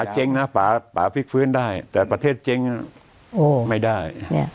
เจ๊งนะป่าพลิกฟื้นได้แต่ประเทศเจ๊งไม่ได้